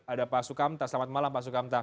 ada pak sukamta selamat malam pak sukamta